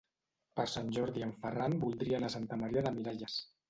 Per Sant Jordi en Ferran voldria anar a Santa Maria de Miralles.